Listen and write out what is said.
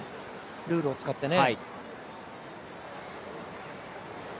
ルールを使ってね。